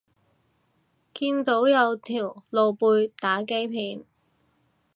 見到有條露背打機片